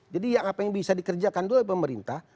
jadi yang apa yang bisa dikerjakan dulu pemerintah